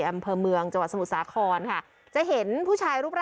อัศวินธรรมชาติ